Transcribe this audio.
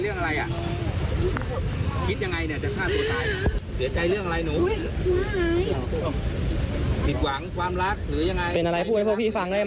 เอาระบายพูด